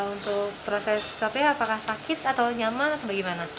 untuk proses kp apakah sakit atau nyaman atau bagaimana